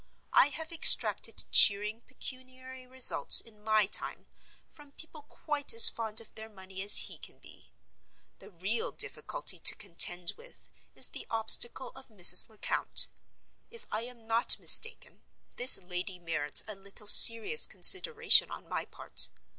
I have extracted cheering pecuniary results in my time from people quite as fond of their money as he can be. The real difficulty to contend with is the obstacle of Mrs. Lecount. If I am not mistaken, this lady merits a little serious consideration on my part.